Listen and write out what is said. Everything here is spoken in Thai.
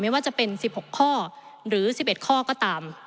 ว่าจะเป็น๑๖ข้อหรือ๑๑ข้อก็ตาม